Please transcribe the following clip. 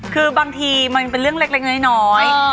คือบางทีมันเป็นเรื่องเล็กน้อย